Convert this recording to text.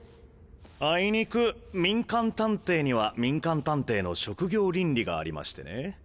あいにく民間探偵には民間探偵の職業倫理がありましてね。